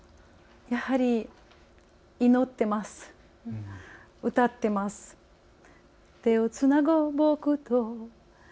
やはり、祈ってます、歌ってます、手をつなごう、僕と。